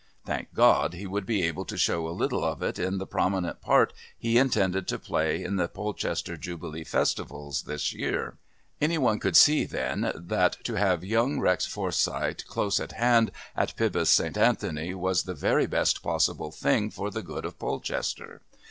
Thank God he would be able to show a little of it in the prominent part he intended to play in the Polchester Jubilee festivals this year! Any one could see then that to have young Rex Forsyth close at hand at Pybus St. Anthony was the very best possible thing for the good of Polchester.